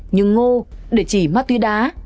như ngô để chỉ ma túy đá